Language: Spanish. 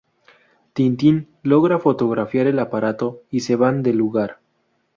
Tin-Tin logra fotografiar el aparato y se van del lugar.